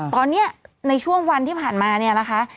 ตอนนี้ในช่วงวันที่ผ่านมาเนี่ยนะคะ